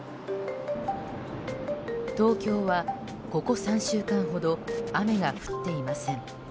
東京はここ３週間ほど雨が降っていません。